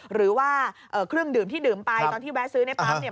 หรือว่าเครื่องดื่มที่ดื่มไปตอนที่แวะซื้อในปั๊มเนี่ย